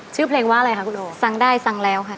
ชื่อเพลงว่าอะไรคะคุณโอฟังได้ฟังแล้วค่ะ